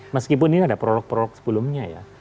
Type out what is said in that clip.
meskipun ini ada produk produk sebelumnya ya